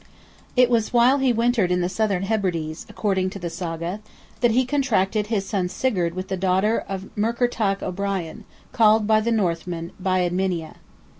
It was while he wintered in the Southern Hebrides, according to the Saga, that he contracted his son Sigurd with the daughter of Murkertach O'Brien, called by the Northmen "Biadmynia."